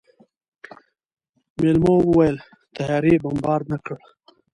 مېلمو وويل طيارې بمبارد نه کړ.